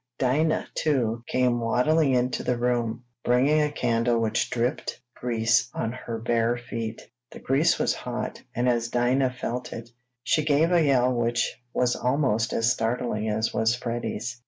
Dinah, too, came waddling into the room, bringing a candle which dripped grease down on her bare feet. The grease was hot, and as Dinah felt it, she gave a yell which was almost as startling as was Freddie's.